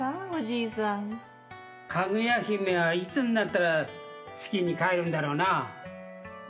かぐや姫はいつになったら月に帰るんだろうな。